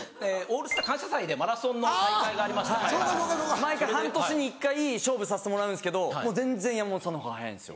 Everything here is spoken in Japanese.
毎回半年に１回勝負させてもらうんですけど全然山本さんのほうが速いんですよ。